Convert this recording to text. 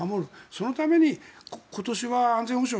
そのために今年は安全保障